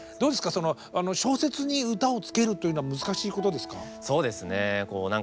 その小説に歌をつけるっていうのは難しいことですか？